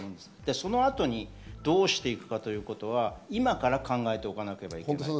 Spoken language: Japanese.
その後にどうしていくかというと、今から考えておかないといけない。